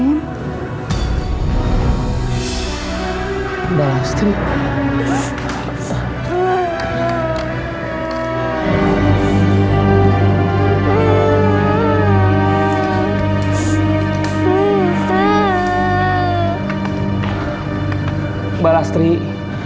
maafin kesalahan istri saya selama ini ke mba lastri ya